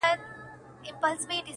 له ښو څه ښه زېږي، له بدو څه واښه.